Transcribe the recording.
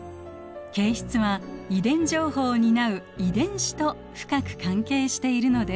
形質は遺伝情報を担う遺伝子と深く関係しているのです。